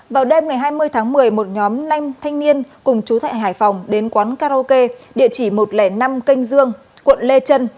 vào đêm ngày hai mươi tháng một mươi một nhóm năm thanh niên cùng chú thại hải phòng đến quán karaoke địa chỉ một trăm linh năm kênh dương quận lê trân